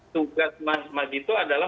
tugas mas dito adalah